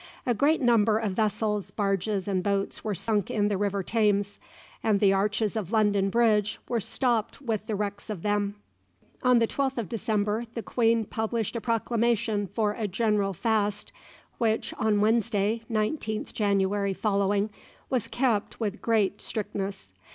A great number of vessels, barges, and boats were sunk in the river Thames, and the arches of London Bridge were stopped with the wrecks of them. On the 12th of December the Queen published a proclamation for a general fast, which, on Wednesday, 19th January following, was kept with great strictness.